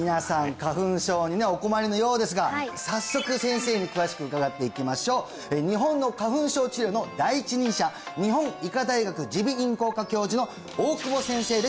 花粉症にねお困りのようですが早速先生に詳しく伺っていきましょう日本の花粉症治療の第一人者日本医科大学耳鼻咽喉科教授の大久保先生です